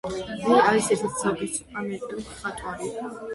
ლი არის ერთ-ერთი საუკეთესო ამერიკელი მხატვარი.